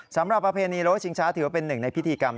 ประเพณีโลชิงช้าถือว่าเป็นหนึ่งในพิธีกรรม